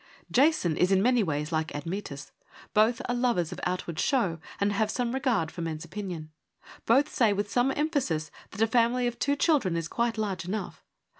Jason is in many ways like Admetus. Both are lovers of outward show and have a great regard for men's opinion. Both say with some emphasis that a family of two children is quite large enough.